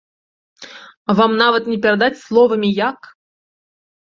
Вам нават не перадаць словамі як!